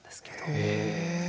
へえ。